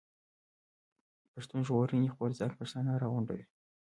پښتون ژغورني غورځنګ پښتانه راغونډوي.